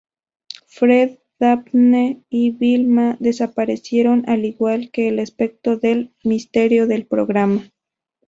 Fred, Daphne y Vilma desaparecieron al igual que el aspecto de misterio del programa.